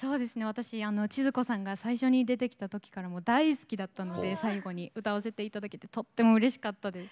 私千鶴子さんが最初に出てきた時からもう大好きだったので最後に歌わせていただけてとってもうれしかったです。